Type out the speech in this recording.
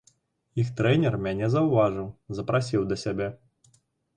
Іх трэнер мяне заўважыў, запрасіў да сябе.